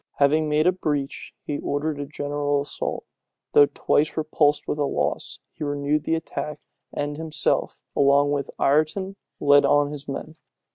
Having made a breach, he ordered a general assault. Though twice repulsed with loss, he renewed the attack, and himself, along with Ireton, led on his men.